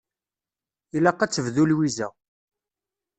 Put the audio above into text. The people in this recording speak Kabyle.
Ilaq ad tebdu Lwiza.